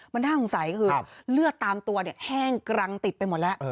มันน่าสงสัยคือเลือดตามตัวแห้งกรังติดไปหมดแล้ว